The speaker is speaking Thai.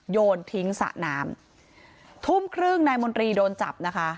โยนทิ้งสระน้ำทุ่มครึ่งนายมนตรีโดนจับนะคะ